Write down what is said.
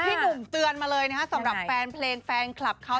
พี่หนุ่มเตือนมาเลยนะครับสำหรับแฟนเพลงแฟนคลับเขา